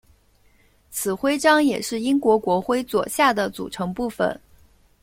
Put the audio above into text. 此徽章也是英国国徽左下的组成部分。